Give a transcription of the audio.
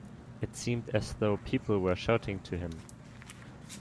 It seemed as though people were shouting to him.